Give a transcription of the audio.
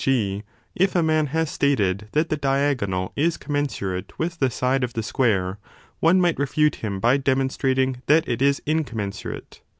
g. 25 if a man has stated that the diagonal is commensurate with the side of the square, one might refute him by demonstrating that it is incommensurate.